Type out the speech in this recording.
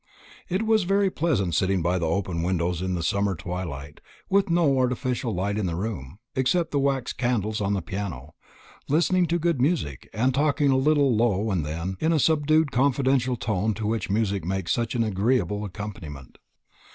It was very pleasant sitting by the open windows in the summer twilight, with no artificial light in the room, except the wax candles on the piano, listening to good music, and talking a little now and then in that subdued confidential tone to which music makes such an agreeable accompaniment.